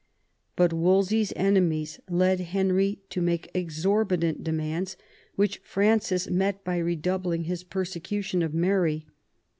But Wolsey's enemies led Henry to make exorbitant de mands, which Francis met by redoubling his persecution of Mary.